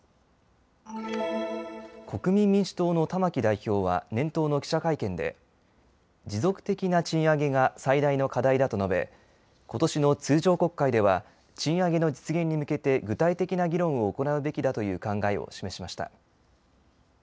国民民主党の玉木代表は年頭の記者会見で持続的な賃上げが最大の課題だと述べ、ことしの通常国会では賃上げの実現に向けて具体的な議論を行うべきだという考えを示しました。